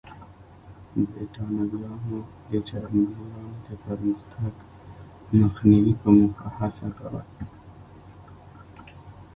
برېټانویانو د جرمنییانو د پرمختګ مخنیوي په موخه هڅه کوله.